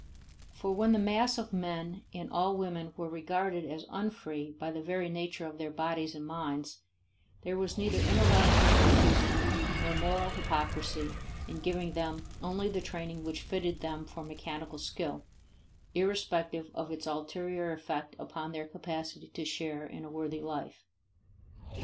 For when the mass of men and all women were regarded as unfree by the very nature of their bodies and minds, there was neither intellectual confusion nor moral hypocrisy in giving them only the training which fitted them for mechanical skill, irrespective of its ulterior effect upon their capacity to share in a worthy life.